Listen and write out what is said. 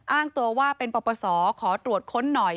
อ้างตัวว่าเป็นปปศขอตรวจค้นหน่อย